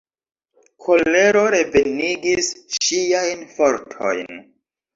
Kolero revenigis ŝiajn fortojn.